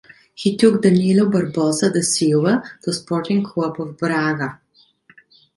He took Danilo Barbosa da Silva to Sporting Club of Braga.